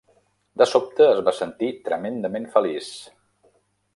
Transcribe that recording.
De sobte es va sentir tremendament feliç.